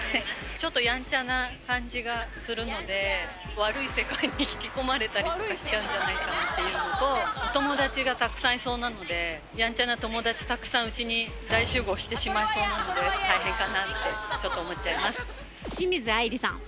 ちょっとやんちゃな感じがするので、悪い世界に引き込まれたりとかしちゃうんじゃないかなっていうのと、お友達がたくさんいそうなので、やんちゃな友達たくさん家に大集合してしまいそうなので、大変か清水あいりさん。